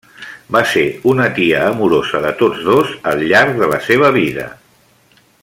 Va ser una tia amorosa de tots dos al llarg de la seva vida.